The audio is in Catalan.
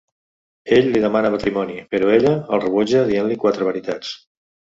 Ell li demana matrimoni però ella el rebutja dient-li quatre veritats.